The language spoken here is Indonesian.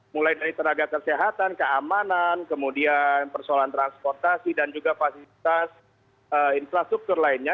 mulai dari tenaga kesehatan keamanan kemudian persoalan transportasi dan juga fasilitas infrastruktur lainnya